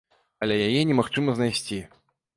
Але яе немагчыма знайсці.